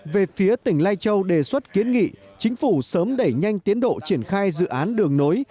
về phía tỉnh lai châu đề xuất kiến nghị chính phủ sớm đẩy nhanh tiến độ triển khai dự án đường nối